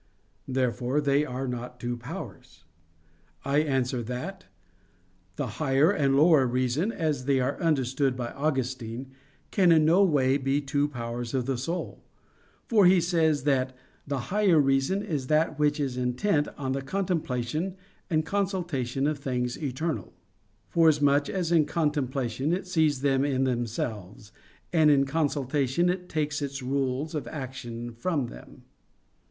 Therefore they are not two powers. I answer that, The higher and lower reason, as they are understood by Augustine, can in no way be two powers of the soul. For he says that "the higher reason is that which is intent on the contemplation and consultation of things eternal": forasmuch as in contemplation it sees them in themselves, and in consultation it takes its rules of action from them.